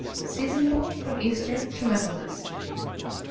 Seasonable from Easter to Michaelmas.